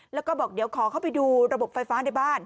แล้วก็บอกเดี๋ยวขอเข้าไปดูระบบไฟฟ้าในบ้าน